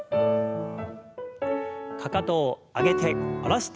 かかとを上げて下ろして上げて。